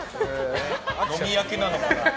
飲み明けなのかな？